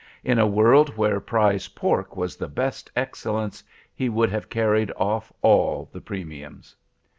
In a world where prize pork was the best excellence, he would have carried off all the premiums.